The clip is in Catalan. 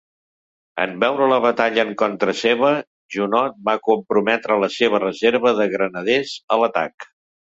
En veure la batalla en contra seva, Junot va comprometre la seva reserva de granaders a l'atac.